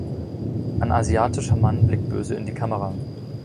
ein asiatischer Mann blickt böse in die Kamera.